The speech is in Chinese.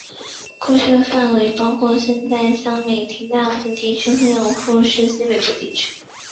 过去的范围包括现在的香美町大部分地区和养父市的西北部地区。